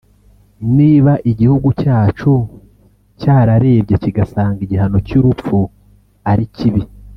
Niba igihugu cyacu cyarerebye kigasanga igihano cy’urupfu ari kibi